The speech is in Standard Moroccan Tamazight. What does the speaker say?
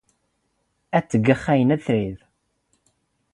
ⵔⴰⴷ ⵙⴽⵔⵖ ⴰⵢⵏⵏⴰ ⵜⵔⵉⴷ.